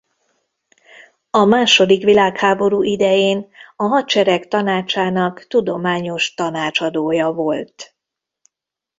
A második világháború idején a hadsereg tanácsának tudományos tanácsadója volt.